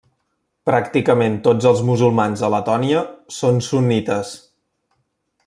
Pràcticament tots els musulmans a Letònia són sunnites.